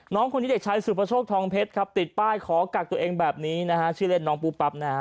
น้องคนยุทธิ์ชัยสุดผชกทองเพชรติดป้ายขอกักตัวเองแบบนี้ชื่อแลดน้องปุ๊บปั๊บ